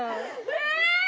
え！